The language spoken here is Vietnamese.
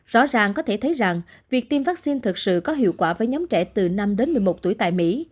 rõ ràng có thể thấy rằng việc tiêm vaccine thật sự có hiệu quả với nhóm trẻ từ năm đến một mươi một tuổi tại mỹ